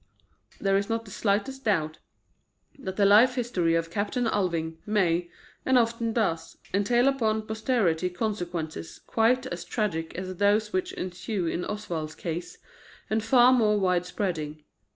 There is not the slightest doubt that the life history of a Captain Alving may, and often does, entail upon posterity consequences quite as tragic as those which ensue in Oswald's case, and far more wide spreading.